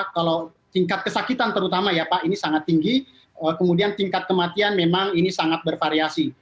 kalau tingkat kesakitan terutama ya pak ini sangat tinggi kemudian tingkat kematian memang ini sangat bervariasi